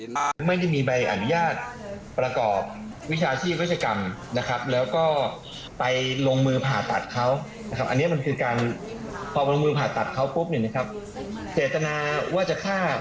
แต่ว่าโทษทางอาญายหน้าน่าจะยังไม่ขาดอายุความนะครับ